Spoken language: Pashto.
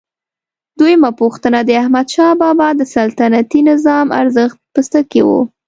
دویمه پوښتنه: د احمدشاه بابا د سلطنتي نظام ارزښت په څه کې و؟